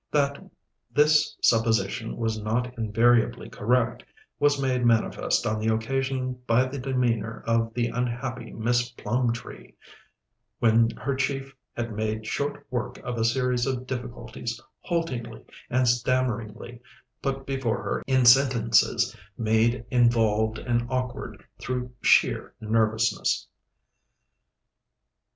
That this supposition was not invariably correct was made manifest on this occasion by the demeanour of the unhappy Miss Plumtree, when her chief had made short work of a series of difficulties haltingly and stammeringly put before her in sentences made involved and awkward through sheer nervousness.